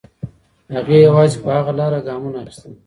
هغې یوازې په هغه لاره ګامونه اخیستل.